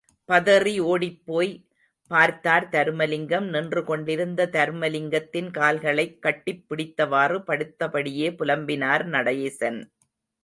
பதறி ஓடிப் போய் பார்த்தார் தருமலிங்கம், நின்று கொண்டிருந்த தருமலிங்கத்தின் கால்களைக் கட்டிப் பிடித்தவாறு படுத்தபடியே புலம்பினார் நடேசன்.